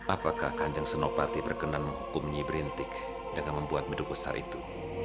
apakah kanjeng senopati berkenan menghukum nyiberintik dengan membuat bedung besar itu